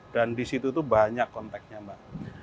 dan di situ banyak kontaknya mbak